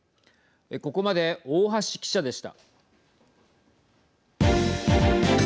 ここまで大橋記者でした。